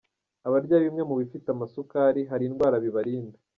Abarya bimwe mubifite amasukari hari indwara bibarinda